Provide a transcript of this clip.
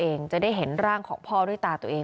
เองจะได้เห็นร่างของพ่อด้วยตาตัวเอง